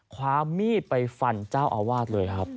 ความมีดไปฟันเจ้าอาวาสเลยครับ